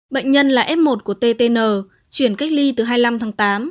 bệnh nhân là f một của ttn chuyển cách ly từ hai mươi năm tháng tám